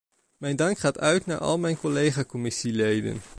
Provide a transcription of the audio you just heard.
Mijn dank gaat uit naar al mijn collega-commissieleden.